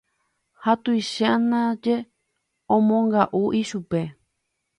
Ha tuicha ndaje omonga'u ichupe.